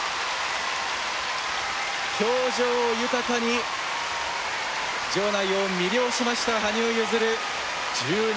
表情豊かに場内を魅了しました羽生結弦１７歳。